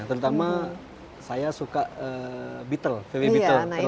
terutama saya suka vw beetle